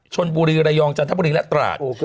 ชนบุรีระยองจันทบุรีและตราด